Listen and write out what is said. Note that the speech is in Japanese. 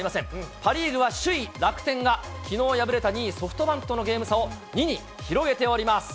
パ・リーグは首位楽天が、きのう敗れた２位ソフトバンクとのゲーム差を２に広げております。